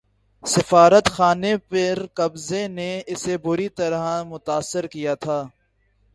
سفارت خانے پر قبضے نے اسے بری طرح متاثر کیا تھا